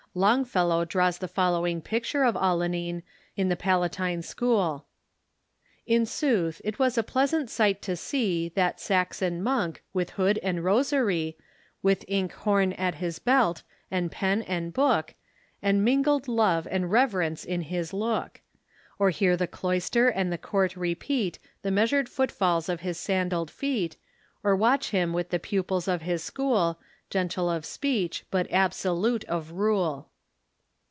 Longfellow draws the following picture of Alcuin in the Pal atine School : "la sooth, it was a pleasant sight to see That Saxon monk, with liood and rosary, With inkhorn at his belt, and pen and book, And mingled love and reverence in his look ; Or hear the cloister and the court repeat The measured footfalls of his sandalled feet, Or watch him with the pupils of his school, Gentle of speech, but absolute of rule."